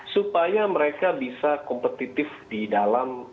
supaya mereka bisa kompetitif di dalam